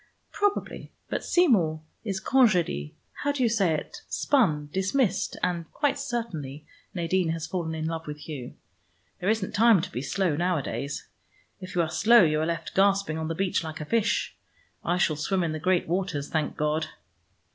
"Probably: but Seymour is congédié how do you say it spun, dismissed, and quite certainly Nadine has fallen in love with Hugh. There isn't time to be slow, nowadays. If you are slow you are left gasping on the beach like a fish. I still swim in the great waters, thank God."